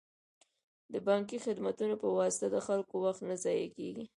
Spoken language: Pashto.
د بانکي خدمتونو په واسطه د خلکو وخت نه ضایع کیږي.